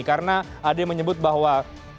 karena ada yang menyebut bahwa